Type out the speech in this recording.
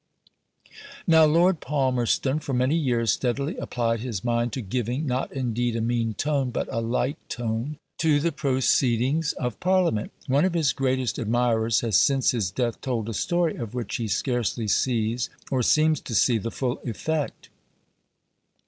Now Lord Palmerston for many years steadily applied his mind to giving, not indeed a mean tone, but a light tone, to the proceedings of Parliament. One of his greatest admirers has since his death told a story of which he scarcely sees, or seems to see, the full effect.